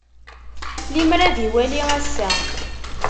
Limer ad iwali ass-a.